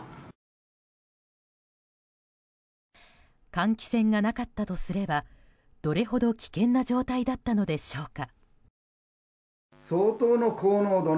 換気扇がなかったとすればどれほど危険な状態だったのでしょうか。